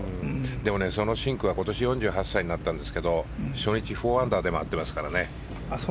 でもね、そのシンクが今年４８歳になったんですけど初日、４アンダーで回っていますからね。